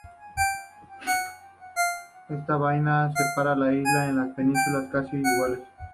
Ésta bahía separa la isla en dos penínsulas casi iguales.